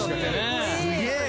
すげえ。